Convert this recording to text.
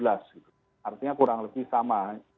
artinya kurang lebih sama